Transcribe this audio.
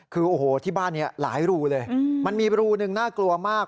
คือโอ้โหที่บ้านนี้หลายรูเลยมันมีรูหนึ่งน่ากลัวมาก